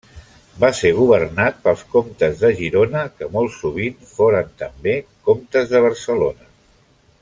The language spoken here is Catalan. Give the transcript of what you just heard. Va ser governat pels comtes de Girona que molt sovint foren també comtes de Barcelona.